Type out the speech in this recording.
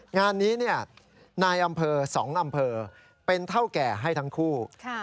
งานนี้นายอำเภอ๒อำเภอเป็นเท่าแก่ให้ทั้งคู่